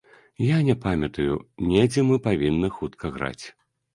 Я не памятаю, недзе мы павінны хутка граць.